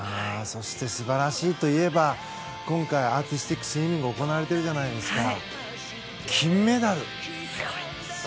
そして素晴らしいといえば今回アーティスティックスイミングが行われているじゃないですか。